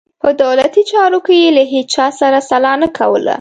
په دولتي چارو کې یې له هیچا سره سلا نه کوله.